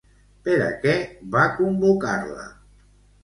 Per a què va convocar-la?